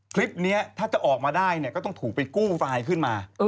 คลิปนี้ถ้าจะออกมาได้เนี่ยก็ต้องถูกไปกู้ไฟล์ขึ้นมา